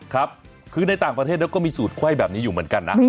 ครับคือในต่างประเทศก็มีสูตรไขว้แบบนี้อยู่เหมือนกันนะ